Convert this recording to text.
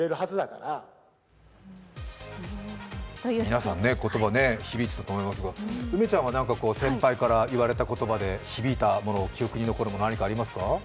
皆さん、言葉、響いてたと思いますが梅ちゃんは何か先輩から言われた言葉で響いたもの記憶に残るもの、何かありますか？